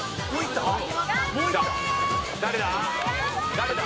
誰だ？